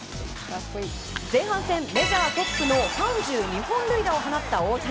前半戦、メジャートップの３２本塁打を放った大谷。